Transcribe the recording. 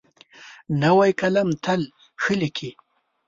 نوی قلم تل ښه لیکي.